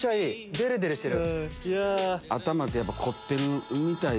デレデレしてる。